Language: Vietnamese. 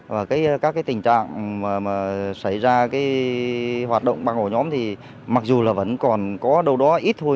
và các tình trạng mà xảy ra hoạt động băng ổ nhóm thì mặc dù là vẫn còn có đâu đó ít thôi